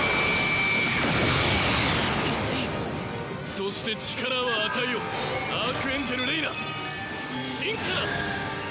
そして力を与えよアークエンジェル・レイナ進化だ！